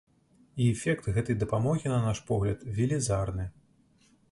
І эфект гэтай дапамогі, на наш погляд, велізарны.